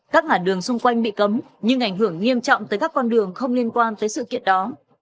các ngã đường xung quanh bị cấm nhưng ảnh hưởng nghiêm trọng tới các con đường không liên quan tới sự kiện đó